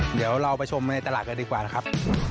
เดี๋ยวเราไปชมในตลาดกันดีกว่านะครับ